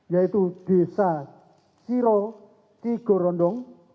yaitu desa siro tigo rondong